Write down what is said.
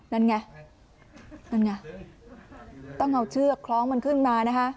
นั่นไงนั่นไงต้องเอาเชือกคล้องมันขึ้นมานะคะ